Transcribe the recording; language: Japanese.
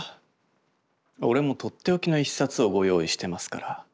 俺もとっておきの一冊をご用意してますからお楽しみに。